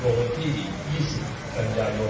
หลวงที่๒๐รันยายนวล